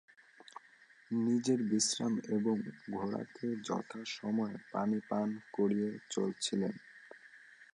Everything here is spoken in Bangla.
নিজের বিশ্রাম এবং ঘোড়াকে যথা সময়ে পানি পান করিয়ে চলছিলেন।